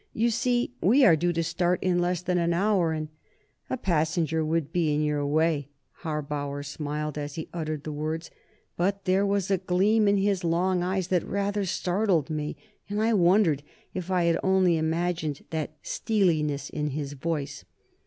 You see, we are due to start in less than an hour, and " "A passenger would be in your way?" Harbauer smiled as he uttered the words, but there was a gleam in his long eyes that rather startled me, and I wondered if I only imagined the steeliness of his voice.